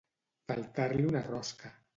Faltar-li una rosca.